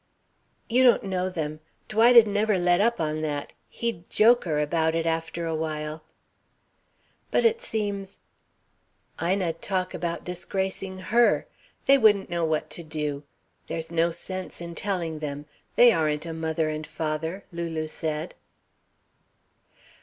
"You don't know them. Dwight'd never let up on that he'd joke her about it after a while." "But it seems " "Ina'd talk about disgracing her. They wouldn't know what to do. There's no sense in telling them. They aren't a mother and father," Lulu said.